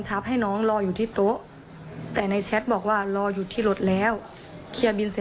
อะไรแบบนี้อะค่ะแต่ทำไมถึงไม่เข้าไปหากิฟต์